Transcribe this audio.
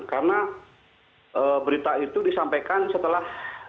karena berita itu disampaikan setelah